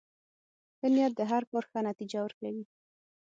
ښه نیت د هر کار ښه نتیجه ورکوي.